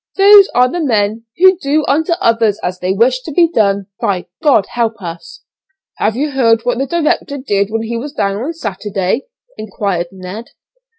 those are the men who do unto others as they wish to be done by, God help us!" Prostitute. "Have you heard what the director did when he was down on Saturday?" enquired Ned.